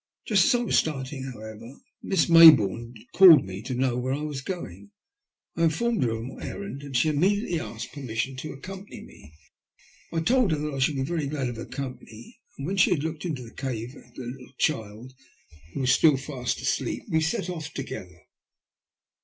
Just as I was starting, however, Miss Mayboume called to me to know where I was going. I informed her of my errand, and she inmiediately asked per mission to accompany me. I told her that I should be very glad of her company, and when she had looked into the cave at the little child, who was still fast asleep, we set off together.